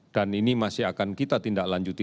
dan ini masih akan kita tindak lanjuti